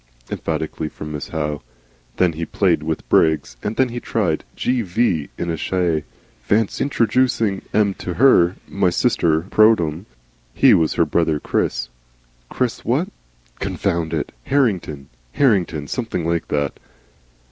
emphatically from Miss Howe. Then he played with Briggs, and then tried the 'G.V.' in a shay. "Fancy introducing 'em to her My sister pro tem." He was her brother Chris Chris what? Confound it! Harringon, Hartington something like that.